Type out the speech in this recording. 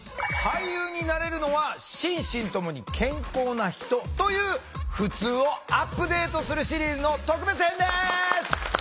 「俳優になれるのは心身ともに健康な人」というふつうをアップデートするシリーズの特別編です！